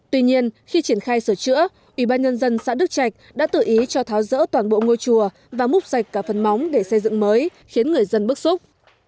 tuy nhiên khi triển khai sửa chữa ủy ban nhân dân xã đức trạch đã tự ý cho tháo rỡ toàn bộ ngôi chùa và múc sạch cả phần móng để xây dựng mới khiến người dân bức xúc